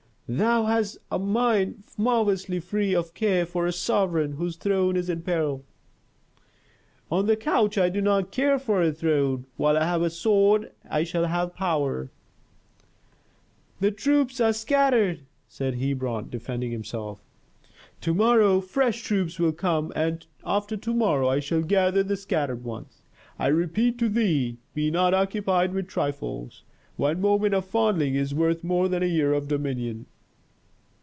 "Thou hast a mind marvellously free of care for a sovereign whose throne is in peril." "On the couch, I do not care for a throne. While I have a sword I shall have power." "Thy troops are scattered," said Hebron, defending herself. "To morrow fresh troops will come, and after to morrow I shall gather the scattered ones. I repeat to thee be not occupied with trifles. One moment of fondling is worth more than a year of dominion."